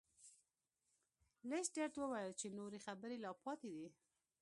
لیسټرډ وویل چې نورې خبرې لا پاتې دي.